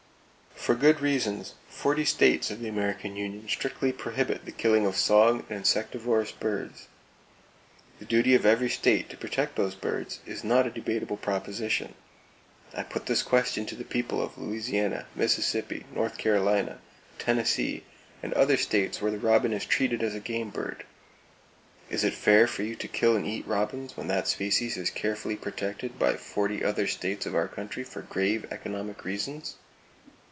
For good reasons, forty states of the American Union strictly prohibit the killing of song and insectivorous birds. The duty of every state to protect those birds is not a debatable proposition. I put this question to the people of Louisiana, Mississippi, North Carolina, Tennessee and other states where the robin is treated as a game bird: Is it fair of you to kill and eat robins when that species is carefully protected by forty other states of our country for grave economic reasons?